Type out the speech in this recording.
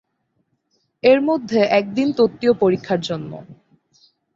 এর মধ্যে এক দিন তত্ত্বীয় পরীক্ষার জন্য।